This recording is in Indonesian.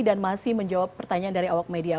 dan masih menjawab pertanyaan dari awak media